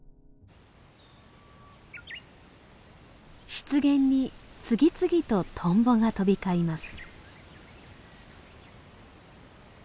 湿原に次々とトンボが飛び交います。